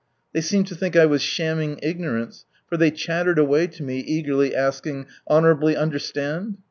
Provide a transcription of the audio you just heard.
They seemed to think I was shamming ignorance, for they chattered away to me, eagerly asking " Honour.ibly under stand